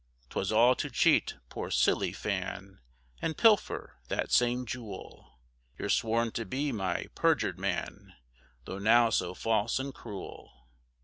'Twas all to cheat poor silly Fan, And pilfer that same jewel; You're sworn to be my perjur'd man, Tho' now so false and cruel.